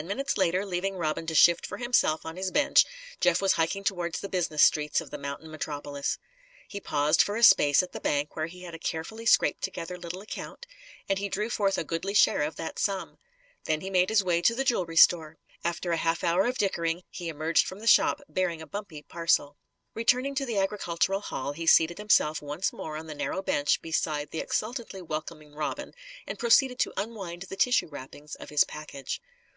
Ten minutes later, leaving Robin to shift for himself on his bench, Jeff was hiking towards the business streets of the mountain metropolis. He paused, for a space, at the bank, where he had a carefully scraped together little account, and he drew forth a goodly share of that sum. Then he made his way to the jewellery store. After a half hour of dickering, he emerged from the shop, bearing a bumpy parcel. Returning to the Agricultural Hall, he seated himself once more on the narrow bench beside the exultantly welcoming Robin, and proceeded to unwind the tissue wrappings of his package.